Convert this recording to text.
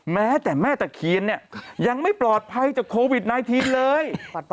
แม้แต่แม่ตะเคียนเนี่ยยังไม่ปลอดภัยจากโควิด๑๙เลย